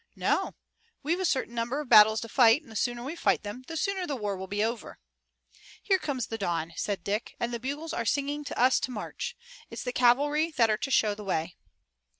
"No. We've a certain number of battles to fight, and the sooner we fight them the sooner the war will be over." "Here comes the dawn," said Dick, "and the bugles are singing to us to march. It's the cavalry that are to show the way."